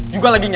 juga lagi berdua